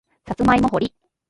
さつまいも掘り